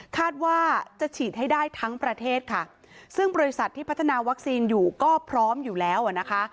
คาดว่าจะฉีดให้ได้ทั้งประเทศค่ะซึ่งบริษัทที่พัฒนาวัคซีนอยู่ก็พร้อมอยู่แล้วอ่ะนะคะ